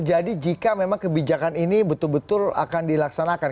jadi jika memang kebijakan ini betul betul akan dilaksanakan